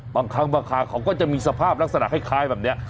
บางครั้งบางคราเขาก็จะมีสภาพลักษณะคล้ายแบบนี้